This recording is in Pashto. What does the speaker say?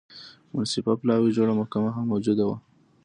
منصفه پلاوي جوړه محکمه هم موجوده وه.